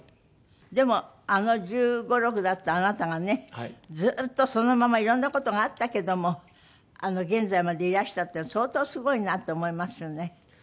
でもあの１５１６だったあなたがねずっとそのままいろんな事があったけども現在までいらしたっていうの相当すごいなって思いますよね。